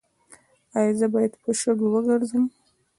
ایا زه باید په شګو وګرځم؟